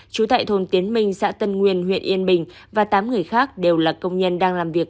trú tại thôn tiến minh xã tân nguyên huyện yên bình và tám người khác đều là công nhân đang làm việc